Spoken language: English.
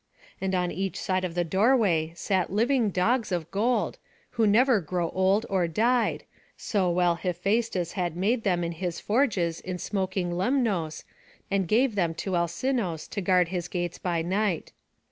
And on each side of the doorway sat living dogs of gold, who never grew old or died, so well Hephaistus had made them in his forges in smoking Lemnos, and gave them to Alcinous to guard his gates by night.